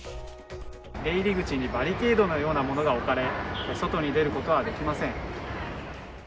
出入り口にバリケードのようなものが置かれ、外に出ることはできません。